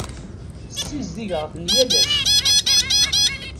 Ssizdigeɣ-ten yal ass.